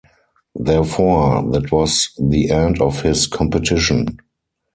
Therefore, that was the end of his competition.